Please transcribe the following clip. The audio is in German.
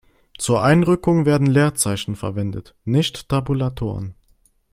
Zur Einrückung werden Leerzeichen verwendet, nicht Tabulatoren.